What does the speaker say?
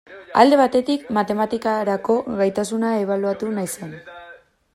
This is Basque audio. Alde batetik, matematikarako gaitasuna ebaluatu nahi zen.